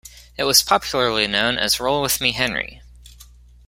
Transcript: It was popularly known as "Roll with Me Henry".